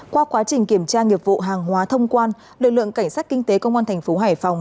qua quá trình kiểm tra nghiệp vụ hàng hóa thông quan lực lượng cảnh sát kinh tế công an thành phố hải phòng